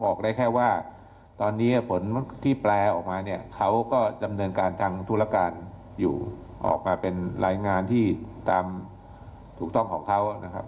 บอกได้แค่ว่าตอนนี้ผลที่แปลออกมาเนี่ยเขาก็ดำเนินการทางธุรการอยู่ออกมาเป็นรายงานที่ตามถูกต้องของเขานะครับ